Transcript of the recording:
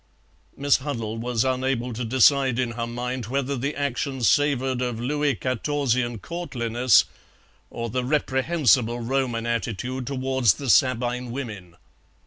Miss Huddle was unable to decide in her mind whether the action savoured of Louis Quatorzian courtliness or the reprehensible Roman attitude towards the Sabine women.